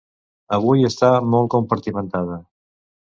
Avui està molt compartimentada.